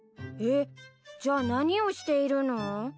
えっじゃあ何をしているの？